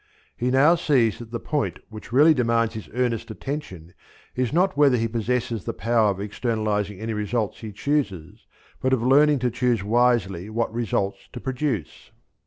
He now sees that the point which really demands his earnest attention is not whether he possesses the power of externalizing any results he chooses, but of learning to choose wisely what results to produce.